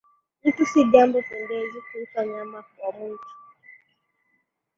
Mtu si jambo pendezi, kuitwa nyama wa mwitu